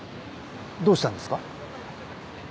どうしたんですか？